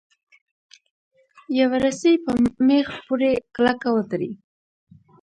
یوه رسۍ په میخ پورې کلکه وتړئ.